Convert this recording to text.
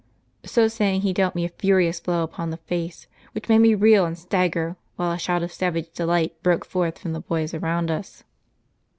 ' So saying he dealt me a furious blow upon the face, which made me reel and stagger, while a shout of savage delight broke forth from the boys around us."